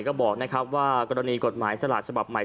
ก็บอกนะครับว่ากรณีกฎหมายสลากฉบับใหม่